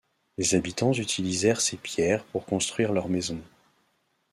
Les habitants utilisèrent ses pierres pour construire leurs maisons.